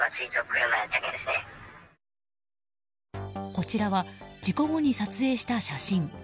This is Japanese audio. こちらは事故後に撮影した写真。